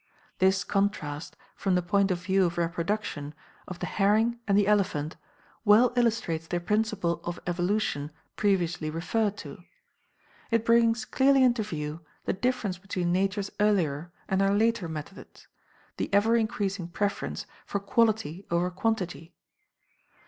This contrast, from the point of view of reproduction, of the herring and the elephant, well illustrates the principle of evolution previously referred to. It brings clearly into view the difference between Nature's earlier and her later methods the ever increasing preference for quality over quantity.